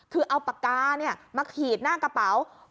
คือเอาปากกามาขีดหน้ากระเป๋า